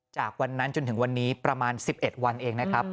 จากวันนั้นจนถึงวันนี้ประมาณ๑๑วันเองนะครับ